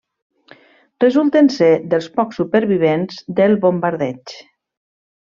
Resulten ser dels pocs supervivents del bombardeig.